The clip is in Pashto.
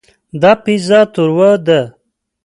دا پیزا تروه ده.